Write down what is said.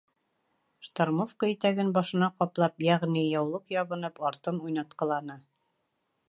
Штормовка итәген башына ҡаплап, йәғни «яулыҡ ябынып», артын уйнатҡыланы.